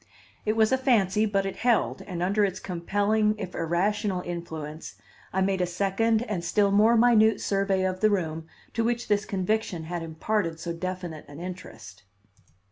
It was a fancy, but it held, and under its compelling if irrational influence, I made a second and still more minute survey of the room to which this conviction had imparted so definite an interest.